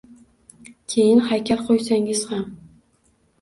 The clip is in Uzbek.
Keyin haykal qo’ysangiz ham